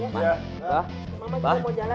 mama juga mau jalan